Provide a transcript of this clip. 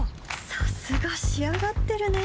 さすが仕上がってるね